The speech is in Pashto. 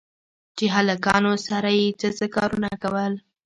چې هلکانو سره يې څه څه کارونه کول.